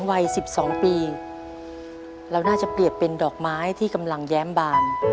วัย๑๒ปีเราน่าจะเปรียบเป็นดอกไม้ที่กำลังแย้มบาน